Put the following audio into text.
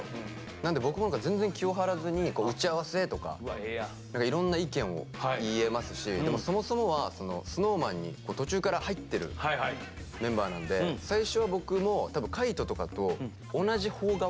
なんで僕も何か全然気を張らずに打ち合わせとか何かいろんな意見を言えますしでもそもそもはＳｎｏｗＭａｎに途中から入ってるメンバーなんで最初は僕も多分海人とかと同じほう側先輩たち。